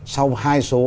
sau hai số